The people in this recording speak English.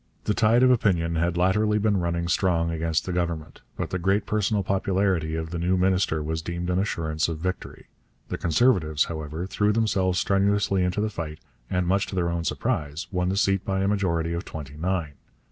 The tide of opinion had latterly been running strong against the Government, but the great personal popularity of the new minister was deemed an assurance of victory. The Conservatives, however, threw themselves strenuously into the fight, and, much to their own surprise, won the seat by a majority of twenty nine.